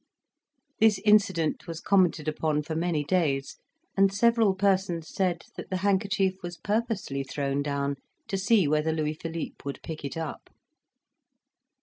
This incident was commented upon for many days, and several persons said that the handkerchief was purposely thrown down to see whether Louis Philippe would pick it up.